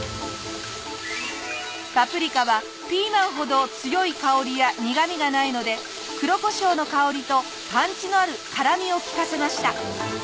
パプリカはピーマンほど強い香りや苦味がないので黒胡椒の香りとパンチのある辛味を利かせました。